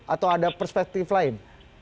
atau ada perspektif lain